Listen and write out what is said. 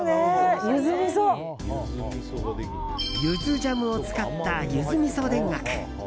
ゆずジャムを使ったゆずみそ田楽！